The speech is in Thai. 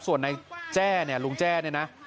ส่วนในแจ้เนี่ยลุงแจ้เนี่ยนะ